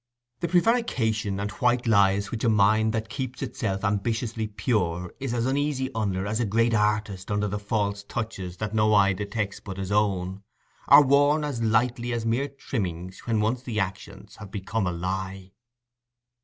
The prevarication and white lies which a mind that keeps itself ambitiously pure is as uneasy under as a great artist under the false touches that no eye detects but his own, are worn as lightly as mere trimmings when once the actions have become a lie.